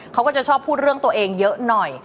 เขาก็จะชอบพูดเรื่องตัวเองเยอะหน่อย